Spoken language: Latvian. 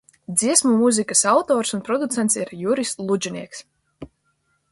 Dziesmu mūzikas autors un producents ir Juris Ludženieks.